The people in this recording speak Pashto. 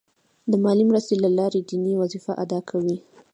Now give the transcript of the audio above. د مالي مرستې له لارې دیني وظیفه ادا کوي.